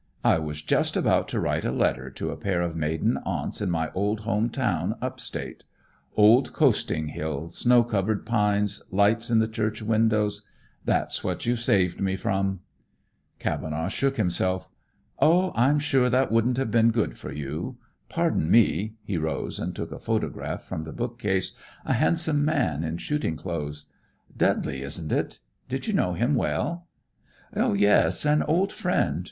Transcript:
I was just about to write a letter to a pair of maiden aunts in my old home town, up state; old coasting hill, snow covered pines, lights in the church windows. That's what you've saved me from." Cavenaugh shook himself. "Oh, I'm sure that wouldn't have been good for you. Pardon me," he rose and took a photograph from the bookcase, a handsome man in shooting clothes. "Dudley, isn't it? Did you know him well?" "Yes. An old friend.